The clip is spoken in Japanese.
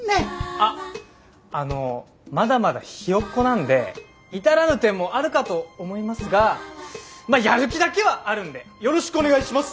あっあのまだまだひよっこなんで至らぬ点もあるかと思いますがまあやる気だけはあるんでよろしくお願いします！